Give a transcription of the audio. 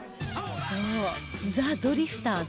そうザ・ドリフターズは